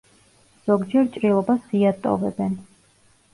ზოგჯერ ჭრილობას ღიად ტოვებენ.